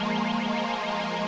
dari mana mau kemana bu nur